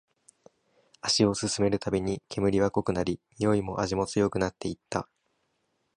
足を進めるたびに、煙は濃くなり、においも味も強くなっていった